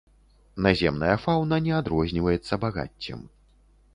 Наземная фаўна не адрозніваецца багаццем.